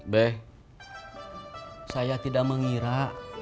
be saya tidak mengira